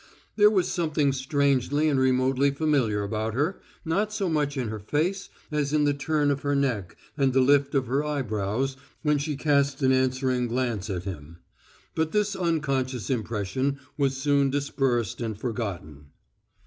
There was something strangely and remotely familiar about her, not so much in her face as in the turn of her neck and the lift of her eyebrows when she cast an answering glance at him. But this unconscious impression was soon dispersed and forgotten.